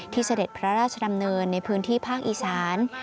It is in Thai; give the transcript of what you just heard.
เสด็จพระราชดำเนินในพื้นที่ภาคอีสาน